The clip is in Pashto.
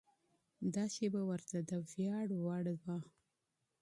دا شېبه ورته د ویاړ وړ وه.